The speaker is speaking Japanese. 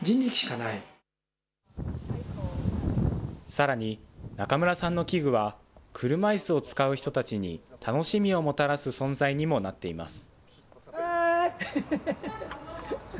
さらに中村さんの器具は、車いすを使う人たちに楽しみをもたらす存在にもなっています。